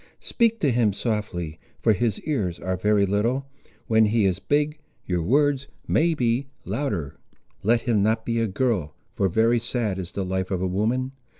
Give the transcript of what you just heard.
Speak to him softly, for his ears are very little; when he is big, your words may be louder. Let him not be a girl, for very sad is the life of a woman.